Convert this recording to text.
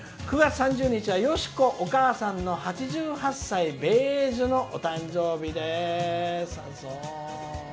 よしこ、お母さんの８８歳米寿のお誕生日です」。